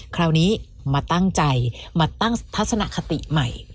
คราวนี้มาตั้งใจมาตั้งทัศนคติใหม่